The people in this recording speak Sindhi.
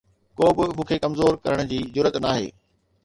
ڪو به مون کي ڪمزور ڪرڻ جي جرئت ناهي